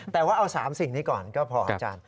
แต่ว่าเอา๓สิ่งนี้ก่อนก็พออาจารย์